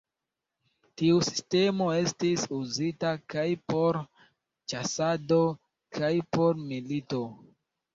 Tiu sistemo estis uzita kaj por ĉasado kaj por milito.